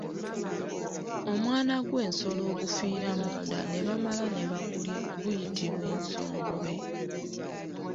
Omwana gw'ensolo ogufiira munda ne bamala ne bagulya guyitibwa ensongobe.